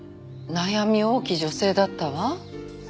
悩み多き女性だったわ。